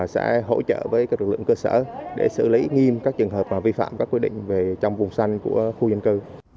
sẽ hỗ trợ với các lực lượng cơ sở để xử lý nghiêm các trường hợp vi phạm các quy định về trong vùng xanh của khu dân cư